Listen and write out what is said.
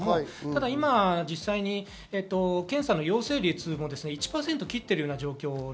今、実際、検査の陽性率も１％を切っています。